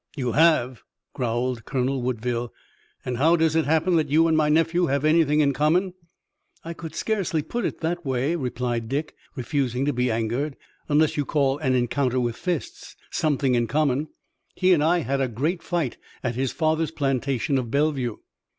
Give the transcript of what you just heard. "You have?" growled Colonel Woodville, "and how does it happen that you and my nephew have anything in common?" "I could scarcely put it that way," replied Dick, refusing to be angered, "unless you call an encounter with fists something in common. He and I had a great fight at his father's plantation of Bellevue."